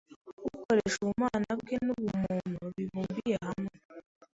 ukoresha ubumana bwe n’ubumuntu bibumbiye hamwe.